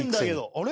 あれ？